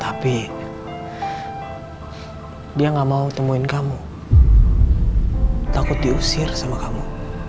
tapi dia gak mau temuin kamu takut diusir sama kamu